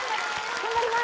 頑張ります